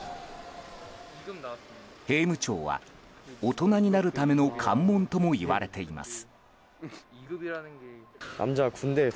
兵務庁は、大人になるための関門ともいわれています。